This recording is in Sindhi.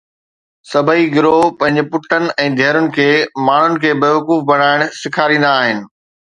سڀئي گرو پنهنجن پٽن ۽ ڌيئرن کي ماڻهن کي بيوقوف بڻائڻ سيکاريندا آهن